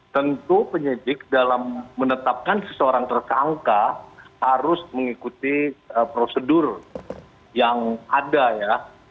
tentu penyidik dalam menetapkan seseorang tersangka harus mengikuti prosedur yang ada ya